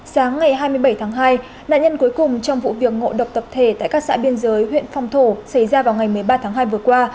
sáng ngày hai mươi bảy tháng hai nạn nhân cuối cùng trong vụ việc ngộ độc tập thể tại các xã biên giới huyện phong thổ xảy ra vào ngày một mươi ba tháng hai vừa qua